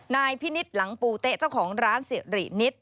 นายพินิษฐ์หลังปูเต๊ะเจ้าของร้านสิรินิต